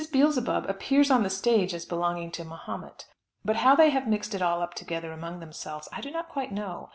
Beelzebub appears on the stage as belonging to Mahomet but how they have mixed it all up together among themselves, I do not quite know.